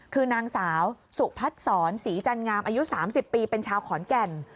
คือนางสาวสุพัฒนศรศรีจันงามอายุ๓๐ปีเป็นชาวขอนแก่น